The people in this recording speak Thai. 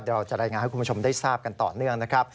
เราจะรายงานให้คุณผู้ชมได้ทราบกันต่อเนื่องนะครับ